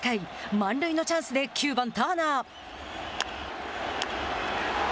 満塁のチャンスで、９番ターナー。